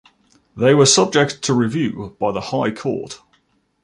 They were subject to review by the High Court.